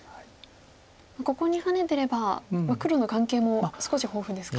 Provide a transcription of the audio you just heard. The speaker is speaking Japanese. ここにハネてれば黒の眼形も少し豊富ですか。